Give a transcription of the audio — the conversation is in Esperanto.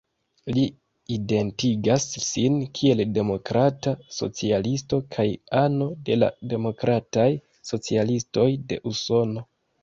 Li identigas sin kiel demokrata socialisto kaj ano de la Demokrataj Socialistoj de Usono.